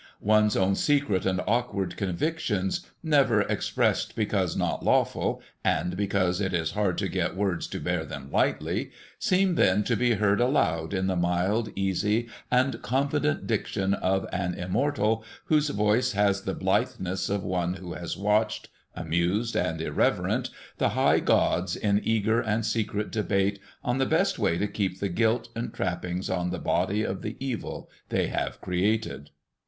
One's own secret and awkward convictions, never expressed because not lawful and because it is hard to get words to bear them lightly, seem then to be heard aloud in the mild, easy, and confident diction of an immortal whose voice has the blitheness of one who has watched, amused and irreverent, the high gods in eager and secret debate on the best way to keep the gilt and trappings on the body of the evil they have created.